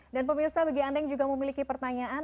dan pemirsa bagi anda yang juga memiliki pertanyaan